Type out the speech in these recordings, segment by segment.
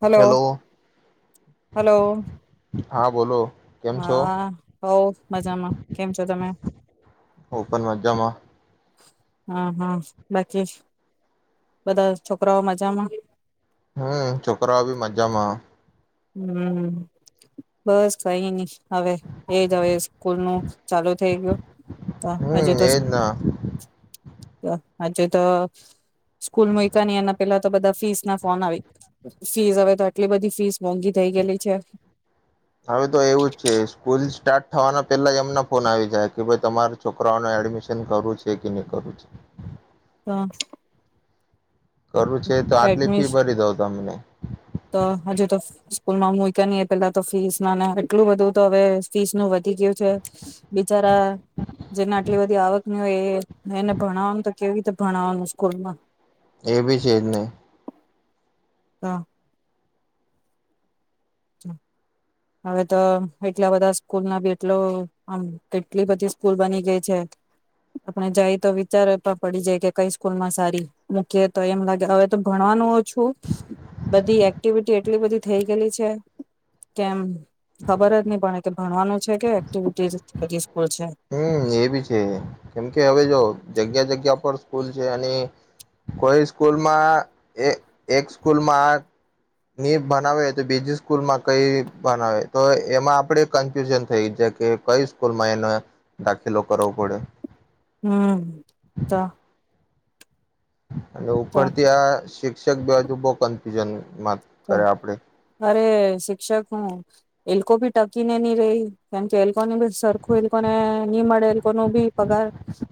Hello hello hello હા બોલો. કેમ છો હા હોઉ મજામાં કેમ તો તમે ઓપન મજામાં હા હા બાકી, બધા છોકરાઓ મજામાં? હમ્મ, છોકરોઓ બી મજામાં. હમ્મ બસ કઈ નઈ હવે એ જ હવે સ્કૂલ નું ચાલુ થઈ ગયું. તો હજુ હમ્મ એજના. તો આજે તો સ્કૂલ મુઇકા નહી એના પેલા તો બધા ફીસ ના ફોન આવી ફીસ હવે તો આટલી બધી ફીસ મોંઘી થઈ ગયેલી છે. હવે તો એવું જ છે. સ્કૂલ સ્ટાર્ટ થવાના પૈલા એમના ફોન આવી જાય કે ભાઈ તમારા છોકરાઓને એડમિશન કરવું છે કે નહી કરવું છે. હા. કરવું છે તો આટલી ફી ભરી દો તમને. તો હજુ તો સ્કૂલમાં મુઇકે નહીં એ પૈલા તો ફીસ ના ના એટલું બધું તો હવે ફીસ નું વ [unintelligible] જેવું છે. બિચારા જેના આટલી બધી આવક ન એ ને એને ભણાવવાનું તો કેવી રીતે ભણાવવાનું સ્કૂલમાં. એબી છેજને ત હવે તો એટલા બધા સ્કૂલ ના બી એટલો આમ કેટલી બધી સ્કૂલ બની ગઈ છે. આપણે જાય તો વિચાર પડી જાય કે કઈ સ્કૂલ માં સારી મૂકીએ તો એમ લાગે હવે તો ભણવાનું છું બધી એક્ટિવિટી એટલી બધી થઈ ગયેલી છે. તો કેમ ખબર જ નહી પણે કેમ ભણવાનું જ છે કે એક્ટિવિટજ [unintelligible] હમ એ બી છે કેમ કે હવે જો જગ્યા જગ્યા પર સ્કૂલ છે, અને કોઈ સ્કૂલમાં એ એક સ્કૂલમાં ની ભનાવે તો બીજી સ્કૂલમાં કઈ બનાવે તો એમાં આપણેે કન્ફ્યુઝન થઈ જાય કે કઈ સ્કૂલમાં એને દાખીલો કરવો પડે. હમ તો અને તો ઉપરથી આ શી [unintelligible] હજુ બો કન્ફ્યુન ત અરે શિક્ષક હું એ લોકો ભી ટકી ને ની રેય કેમ કે એ લોકોને બી સરખું એ લોકોને નહી મળે એ લોકો ન બી પગાર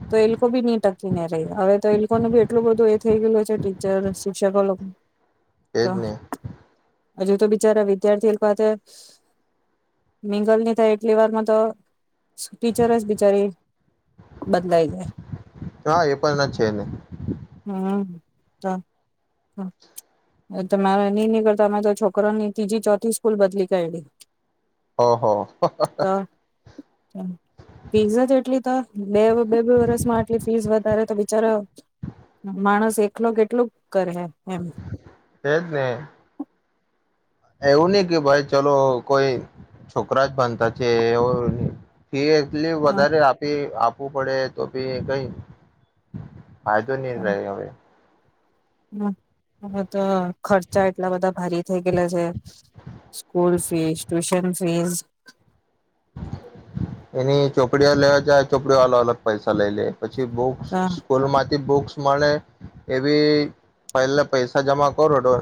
તો એ લોકો ભી નહી ટકી ને રેય. હવે તો એ લોકોનું બી એટલું બધું એ થઈ ગયું છે ટીચર શિક્ષકો લો એજ ને. હજુ તો બિચારા વિદ્યાર્થી એ લોકો હાથે મિંગલ ની થાય એટલી વારમાં તો ટીચર જ બિચારી બદલાય જાય. હા એ પણ છે ને હમ્મ તો તો એ તમારો ની-ની કરતા મેં તો છોકરોઓની ત્રીજી ચોથી સ્કૂલ બદલી કાયઢી. હો હો. ફીઝ જ એટલી તો બે-બે-બે વરસમાં આટલી ફીસ વધારે તો બિચારો માણસ એકલો કેટલું કરહે. તેજ ને. એવું નહી કે ભાઈ ચલો કોઈ છોકરા જ ભણતા છે એવો એ લી વધારે આપી આપ વું પડે તો ભી કઈ ફાયદો નહી રહે હવે. હા હવે તો ખર્ચા એટલા બધા ભારી થઇ ગયેલા છે સ્કૂલ ફીસ ટ્યુશન ફીસ એની ચોપડીઓ લેવા જાય ચોપડીઓ વાલો અલગ પૈસા લઈ લે. પછી બુક્સ સ્કૂલમાં બુક્સ મળ એવી પહેલા પૈસા જમા કરો તો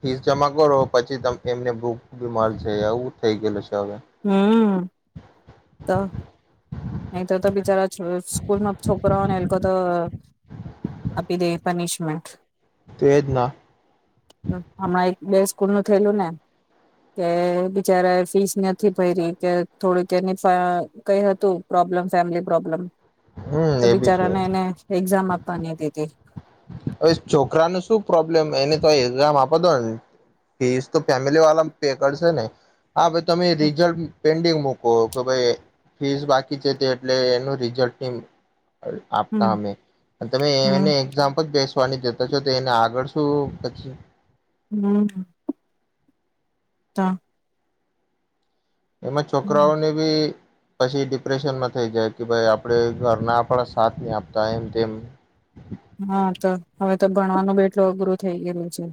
ફીસ જમા કરો પછી ત એમને બુક બી મળશે આવવું થઇ ગયેલું છે. હમ્મ [inaudible] અહી તો તો બિચારા સ્કૂલમાં છોકરાઓને એ લોકો તો આપી દે પનિશમેન્ટ છે હવે તો એજ ના હમણાં એક બે સ્કૂલ નું થયેલું ને કે બિચારા ફીસ નથી ભરીરી કે થોડુંક એની કઈ હતુ પ્રોબ્લમ ફેમિલી પ્રોબ્લમ હમ તો એ બી છે બિચારાને એને એક્ઝામ આપવાની દીધી હવે છોકરાનું શું પ્રોબ્લેમ એની તો એક્ઝામ આપો દો ને ફીસ તો ફેમિલી વાળા પે કરશે ને હા ભાઈ તમે રિઝલ્ટ પેન્ડિંગ મક કે ભાઈ ફીસ બાકી છે તે એટલે એનું રિઝલ્ટ હમ આપતા અમે તમે એને હમ એક્ઝામ બેસવાની જતા છો તો એને આગળ શું પછી હમ્મ તો એમાં હમ છોકરાઓને બી પછી ડિપ્રેશનમાં થઈ જાય કે ભાઈ આપણે ઘરના પણ સાથ નહી આપતા એમ તેમ હા તો હવે તો ભણવાનું બી એટલું અઘરું થઈ ગયલું છે,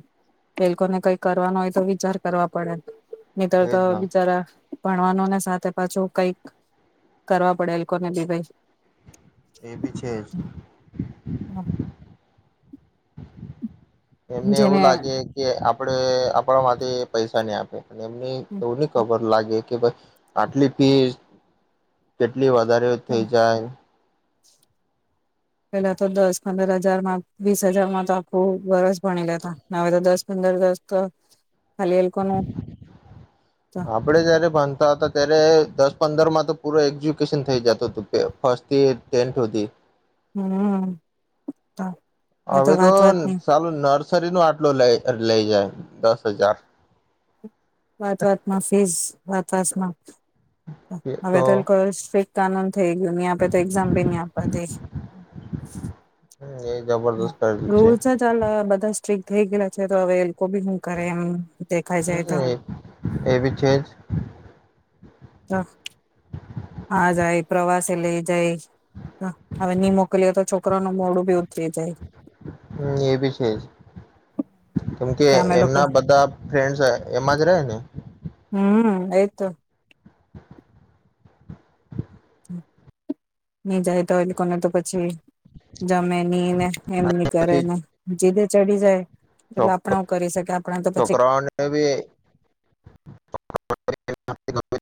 એ લોકોને કઈ કરવાનો હોય તો વિચાર કરવા પડે મિત તો એજ ના બિચારા ભણવાનું ને સાથે પાછું કઈક કરવા પડે એ કોને બી કઈ એ બી છે, જ [inaudible] એમને એવું જેને લાગે કે આપડે આપણા માંથી પૈસા નહી આપે એમની એવું નની ખબર લાગે કે ભાઈ આટલી ફીસ કે લી વધારે થઈ જાય. પેલા તો દસ પંદર હજારમાં વીસ હજારમાં તો આખું વર્ષ ભણી લેતા હવે તો દસ પંદર દસ તો ખાલી એ લોકોનું આપડે જયારે ભણતા હતા ત્યારે દસ પંદર માં પૂરા એજ્યુકેશન થઈ જતુ હતું ફસ્ટથી ટેન્થ હુધી. હમ્મ હવે તો સાલું નર્સરી નો આટલો લેય. લઇ જાય દસ હજાર. વાત વાતમાં [unintelligible] હવે તો [unintelligible] કાનુન થઈ ગયું ની આપે તો એક્ઝામ ભી ની આપવા દે એ. જબરદસ્ત કર્યું છે [unintelligible] આ લ બધા સ્ટ્રીક થઈ ગેલા છે તો હવે એલ લોકો બી હું કરે એમ દેખાય જાય હમ તો એ એ બી છેજ આ જાય પ્રવાસે લઈ જાય હવે ની મોકલીએ તો છોકરો નું મોડું બી ઉતરી જાય હમ એ બી છેજ કેમ કે અમે લોકો એમના બધા ફ્રેન્ડ એમાં જ રહે ને હમ એતો ની જાય તો એ લોકોને તો પછી જમેની ને, એમની કરેને, પછી જીદ ચડી જાય. એટલે આપણે [unintelligible] હું કરી શકીએ આપણે તો પછી છોકરાઓને બી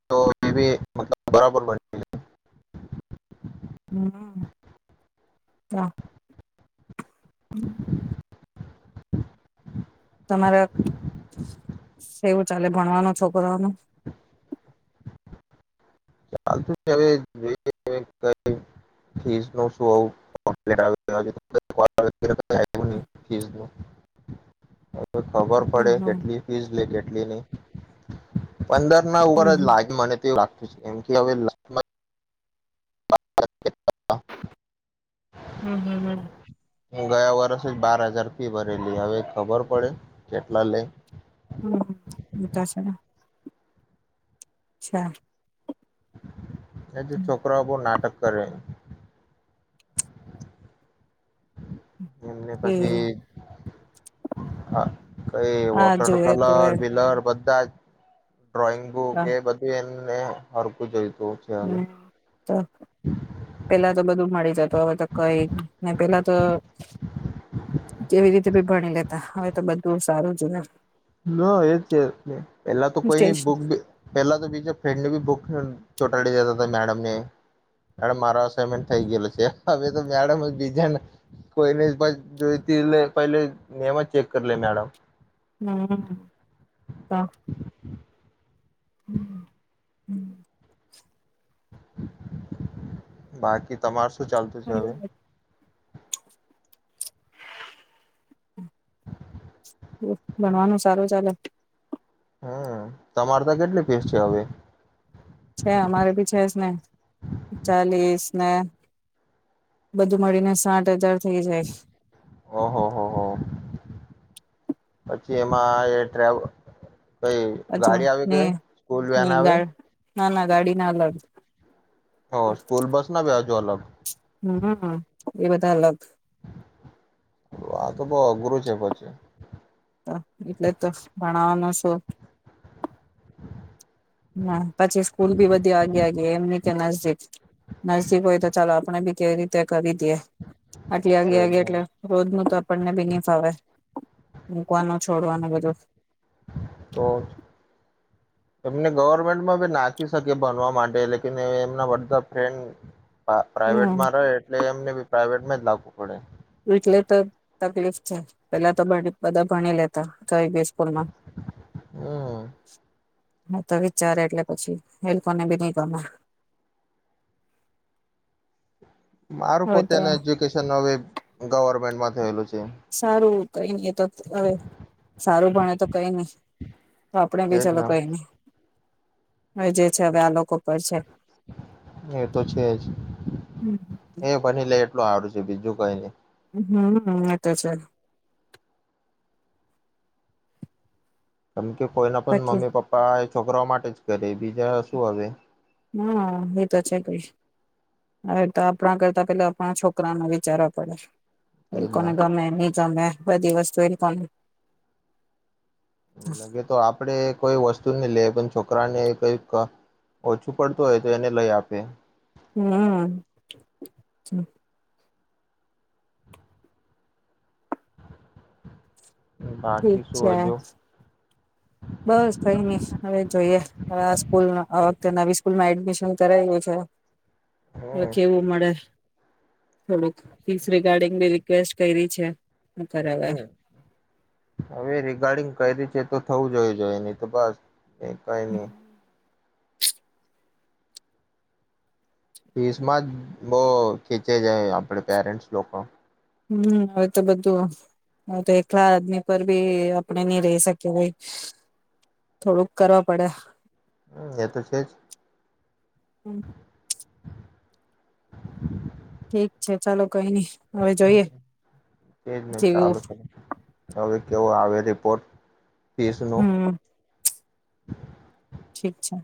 [unintelligible] [inaudible] બરાબર. હમ કા. [inaudible] [inaudible] તમારા કેવું ચાલે ભણવાનું છોકરાઓનું ચાલતું હવે જો [inaudible] ફીસ નુ [inaudible] તો ખબર હમ પડે હમ કેટલી ફીઝ લે કે. [inaudible] પંદર ના ઉપર હમ જ લાગે મને તે વુ કેમ કે હવે [inaudible] [inaudible] હમ હમ હમ હું ગયા વર્ષ જ બાર હજાર ફી ભરેલી. હવે ખબર પડે કેટલા લે. હમ એ તો છેને અચ્છા. એજ છોકરાઓ બવ નાટક કરે. એમને એ પછી હા. કઈ હા વોટર જોએ તો કલર પિલર [unintelligible] ડ્રોઈંગ બુક એ બધું એમ વે હરખુ જોઈ હમ્મ, તો પેલા તો બધું મળી જતો હવે તો કઈ ને પેલા તો કેવી રીતે બી ભણી લેતા હવે તો બધું સારું જો ને પેલા તો કોઈની બુક પહેલા તો બીજા ફ્રેન્ડ ની બુક ચોંટાડી દેતા તા મેડમ ને મેડમ મારુ અસાઇમેન્ટ થઈ ગયેલું છે હવે તો મેડમ જ બીજાને એમાં ચેક કર લે મેડમ [unintelligible] [unintelligible] બાકી તમાસ તો ચાલતું છે હવે. [inaudible] ભણવાનું સારું ચાલે હમ્મ તમારે ત્યાં કેટલી ફીસ છે હવે છે અમારે ભી છે સ ને ચાલીસ ને બધું મળીને સાઠ હજાર થઇ જાય ઓહો હો હો. પછી એમાં કઈ અચ્છા ગાડી આવી ગઈ સ્કૂલ વેન આવે. નાના ગાડીના અલગ હ સ્કૂલ બસના વ્યાજો અલગ. હમ્મ હમ્મ હમ્મ એ બધા અલગ આ તો બહુ અઘરું છે પછી. તો એટલે તો ભણાવવાનું શું. [unintelligible] પછી સ્કૂલ બી બધી આગે-આગે એમ નહીં કે નજદીક નજદીક હોય તો ચાલો આપણે બી કેવી રીતે કરી દયે આટલી આગે-આગે એટલે રોજનું તો આપણને ભી ની ફાવે મુકવાનું છ [unintelligible] બધું તો એમને ગવર્મેન્ટ માભી નાખી શકીએ ભણવા માટે લેકિન એમના બધા ફ્રેન્ડ હા, પ્રાઈવેટ હમ માં રહે એટલે એમને તોએ પ્રાઈવેટમાં જ લાગુ પડે. એટલે તો તકલીફ છે પેલા તો બધા ભ ભણી લેતા. તોય હમ [unintelligible] હા તો વિચારે એટલે પછી એ લોકોને બી ની ગમે. મારું હવે તો પોતેનું એજ્યુકેશન હવે ગવર્મેન્ટમાં થયેલું છે. સારું કઈ ની તો હવે સારું ભણે તો કઈ ની. તો આપડે ભી એજ ચાલો ને કઈ નહી. હવે જે છે, હવે આ લોકો પર છે એ તો છે જ હમ એ ભની લે. લો હારૂ છે બીજું કઈ ની. હમ હં એ તો છે. તમ કેવ કોઈના પણ બાકી મમ્મી પપ્પા છોકરાઓ માટે જ કરે બીજા શું હવે હા એ તો છે કઈ હવે તો આપણા કરતા પેલા આપણા છોકરાનું વિચારવા પડે. એ એજ કોને ના ગમે ની તમે બધી વસ્તુ એ લોકો ને લગે તો આપડે કોઈ વસ્તુ નઈ લે પણ ચોક કરાને કઈક ઓછું પડતું હોય તો એને લઈ આપે. હમ. બાકી ઠીક શું છે. હજુ બસ કંઈ નઈ, હવે જોઈએ, હવે આ સ્કૂલ આ વખતે નવી સ્કૂલમાં એડમિશન કરાયવું છે. હવે હમ કેવું મળે થોડુંક ફીસ રિગાર્ડિંગ બી રિક્વેસ્ટ કયરી છે. શું કરે હવે હમ હવે એ રિગાર્ડિંગ કયરી છે તો થવું જોઈએ જોએ નહી તો બસ એ કઈ ની. ફીસમાં જ બો ખેંચાઈ જાએ આપડે પેરેન્ટસ લોકો. હમ હવે તો બધું, હવે તો એકલા આદમી પર બી આપણે નઈ રહી શકીએ ભાઈ, થોડુંક કરવા પડે. હમ એ તો છે જ. ઠીક છે ચાલો. કઈ નઈ હવે જોઈએ એજ ને જેવું ચાલુ છે, હવે કેવો આવે બે રિપોર્ટ ફીસનું [inaudible] હમ ઠીક છે.